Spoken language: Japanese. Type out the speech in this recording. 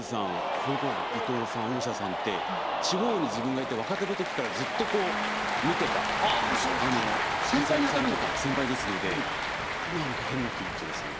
それこそ伊藤さん大下さんって地方に自分がいた若手のときからずっと見てた活躍されてた先輩ですので何か変な気持ちです今。